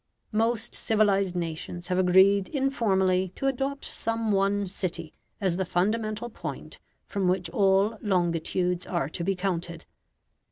Most civilized nations have agreed informally to adopt some one city as the fundamental point from which all longitudes are to be counted.